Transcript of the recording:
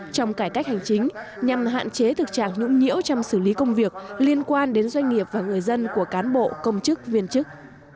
trong cải cách hành chính nhằm hạn chế thực trạng nhũng nhiễu trong xử lý công việc liên quan đến doanh nghiệp và người dân của cán bộ công chức viên chức